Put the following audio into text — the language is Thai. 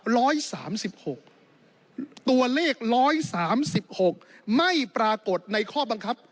ร้อยสามสิบหกตัวเลขร้อยสามสิบหกไม่ปรากฏในข้อบังคับ